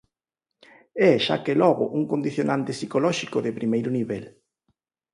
É xa que logo un condicionante psicolóxico de primeiro nivel.